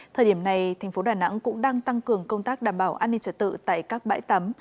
thời điểm này thành phố đà nẵng cũng đang tăng cường công tác đảm bảo an ninh trật tự tại các bãi tắm